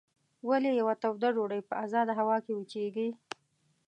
ولې یوه توده ډوډۍ په ازاده هوا کې وچیږي؟